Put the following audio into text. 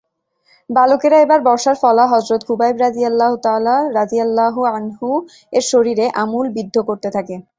বালকেরা এবার বর্শার ফলা হযরত খুবাইব রাযিয়াল্লাহু আনহু-এর শরীরে আমূল বিদ্ধ করতে থাকে।